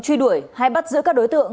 truy đuổi hay bắt giữa các đối tượng